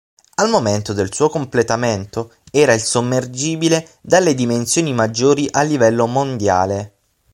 Al momento del suo completamento era il sommergibile dalle dimensioni maggiori a livello mondiale.